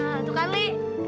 nah tuh kan li